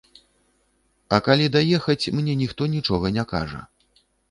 А калі даехаць, мне ніхто нічога не кажа.